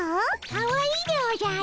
かわいいでおじゃる！